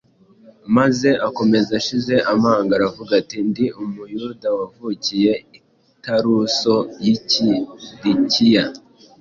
maze akomeza ashize amanga aravuga ati: “Ndi Umuyuda wavukiye i Taruso y’i Kirikiya